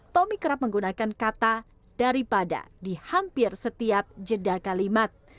tommy kerap menggunakan kata daripada di hampir setiap jeda kalimat